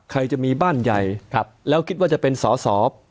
ใครจะมีบ้านใหญ่แล้วคิดว่าจะเป็นสอสอ